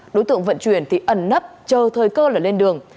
đối tượng vận chuyển thì ẩn nấp chờ thời cơ là lên đường